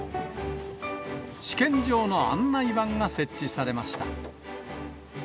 試験場の案内板が設置されました。